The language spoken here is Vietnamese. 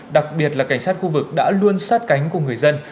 đặc biệt là cảnh sát khu vực đã luôn sát cánh cùng người dân